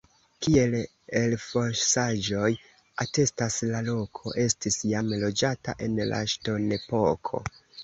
Kiel elfosaĵoj atestas, la loko estis jam loĝata en la ŝtonepoko.